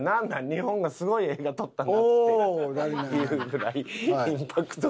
日本がすごい映画撮ったんだっていうぐらいインパクト。